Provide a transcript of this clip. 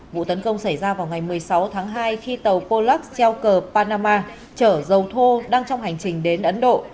vụ tấn công xảy ra vào ngày một mươi sáu tháng hai khi tàu polux treo cờ panama trở dâu thô đang trong hành trình đến ấn độ